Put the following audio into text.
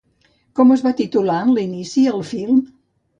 Com es va titular en inici el film?